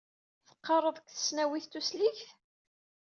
Teqqareḍ deg tesnawit tusligt?